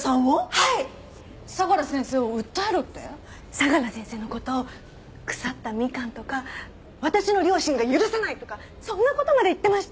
相良先生の事を腐ったミカンとか私の良心が許さないとかそんな事まで言ってました！